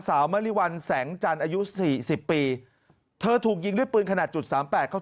สาวมริวัลแสงจันทร์อายุ๔๐ปีเธอถูกยิงด้วยปืนขนาด๓๘เข้า